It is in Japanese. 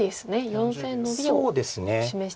４線ノビを示してますが。